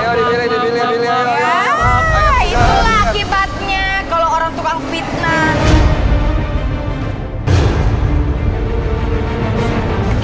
nah itulah akibatnya kalau orang tukang fitnah